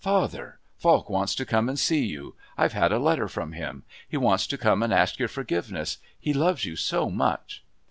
"Father! Falk wants to come and see you! I've had a letter from him. He wants to come and ask your forgiveness he loves you so much."